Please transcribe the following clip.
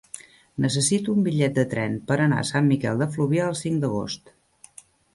Necessito un bitllet de tren per anar a Sant Miquel de Fluvià el cinc d'agost.